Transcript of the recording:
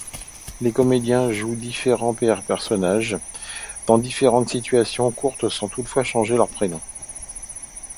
Les comédiens jouent différents personnages dans différentes situations courtes sans toutefois changer leur prénom.